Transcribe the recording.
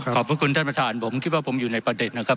ขอบคุณท่านประธานผมคิดว่าผมอยู่ในประเด็นนะครับ